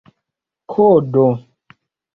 kodo